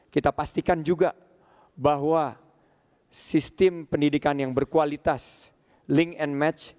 kita pastikan juga bahwa sistem pendidikan yang berkualitas link and match